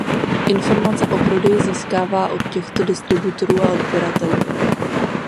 Informace o prodeji získává od těchto distributorů a odběratelů.